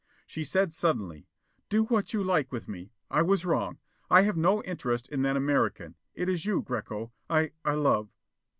She said suddenly, "Do what you like with me. I was wrong. I have no interest in that American. It is you, Greko, I I love."